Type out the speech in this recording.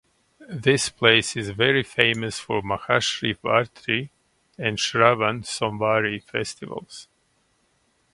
This place is very famous for Mahashivratri and Shravan Somvari festivals.